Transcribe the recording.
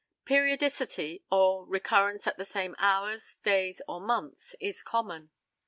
Periodicity, or recurrence at the same hours, days, or months, is common.